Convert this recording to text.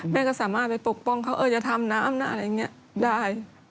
แม่ก็สามารถไปปกป้องเขาเอออย่าทำน้ำนะอะไรอย่างนี้ได้